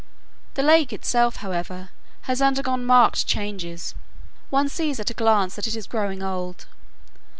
The lake itself, however, has undergone marked changes; one sees at a glance that it is growing old.